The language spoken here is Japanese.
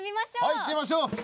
はい行ってみましょう。